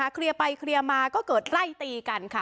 เคลียร์ไปเคลียร์มาก็เกิดไล่ตีกันค่ะ